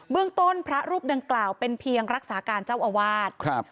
เรื่องต้นพระรูปดังกล่าวเป็นเพียงรักษาการเจ้าอาวาสครับ